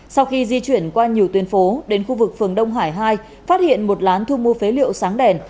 sau khi di chuyển qua nhiều tuyến phố đến khu vực phường đông hải hai phát hiện một lán thu mua phế liệu sáng đèn